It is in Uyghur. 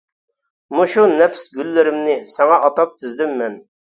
مۇشۇ نەپىس گۈللىرىمنى، ساڭا ئاتاپ تىزدىم مەن!